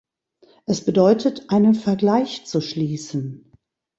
Es bedeutet einen Vergleich zu schließen.